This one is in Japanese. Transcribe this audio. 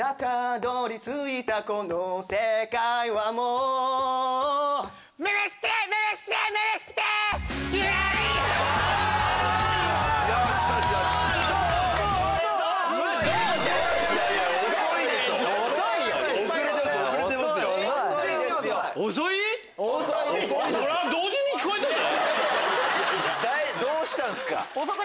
どうしたんすか？